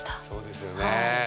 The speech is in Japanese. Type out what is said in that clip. そうですよね。